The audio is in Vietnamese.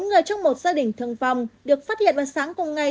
bốn người trong một gia đình thương vong được phát hiện vào sáng cùng ngày